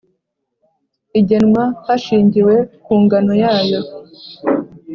igenwa hashingiwe ku ngano yayo